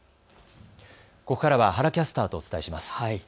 ここからは原キャスターとお伝えします。